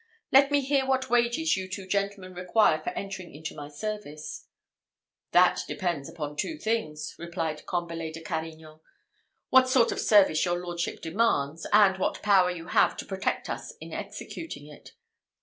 "Let me hear what wages you two gentlemen require for entering into my service." "That depends upon two things," replied Combalet de Carignan: "what sort of service your lordship demands, and what power you have to protect us in executing it.